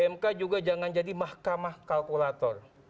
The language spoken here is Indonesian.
mk juga jangan jadi mahkamah kalkulator